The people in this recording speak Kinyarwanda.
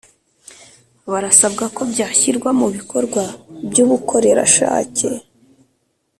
barasabwa ko byashyirwa mu bikorwa by’ubukorerashake